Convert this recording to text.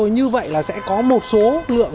như vậy sẽ có một số lượng